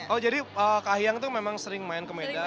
oh jadi kahiyang itu memang sering main ke medan